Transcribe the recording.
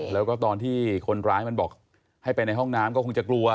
แล้วก็ตอนที่คนร้ายมันบอกให้ไปในห้องน้ำก็คงจะกลัว